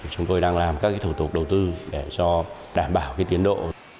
chúng tôi đang làm các thủ tục đầu tư để đảm bảo tiến độ